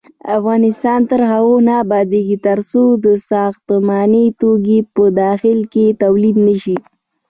افغانستان تر هغو نه ابادیږي، ترڅو ساختماني توکي په داخل کې تولید نشي.